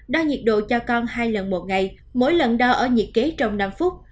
đo nhiệt độ cho con hai lần một ngày mỗi lần đo ở nhiệt kế trong năm phút